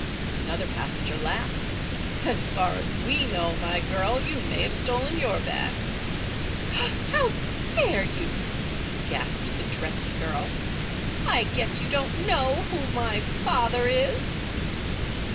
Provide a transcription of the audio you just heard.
Another passenger laughed. "As far as we know, my girl, you may have stolen your bag." "How dare you?" gasped the dressy girl. "I guess you don't know who my father is?"